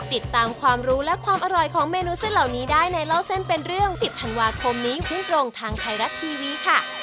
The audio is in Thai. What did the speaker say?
ติดตามความรู้และความอร่อยของเมนูเส้นเหล่านี้ได้ในเล่าเส้นเป็นเรื่อง๑๐ธันวาคมนี้พุ่งตรงทางไทยรัฐทีวีค่ะ